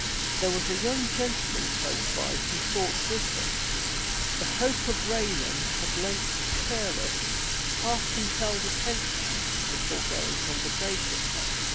There was a young gentleman close by who thought with him. The hope of Raynham had lent a careless, half compelled attention to the foregoing conversation.